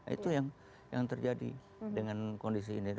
itu yang terjadi dengan kondisi ini